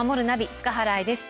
塚原愛です。